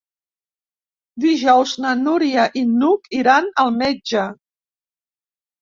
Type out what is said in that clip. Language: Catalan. Dijous na Núria i n'Hug iran al metge.